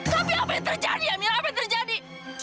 tapi apa yang terjadi apa yang terjadi